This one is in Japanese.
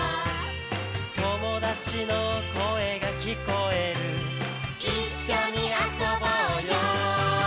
「友達の声が聞こえる」「一緒に遊ぼうよ」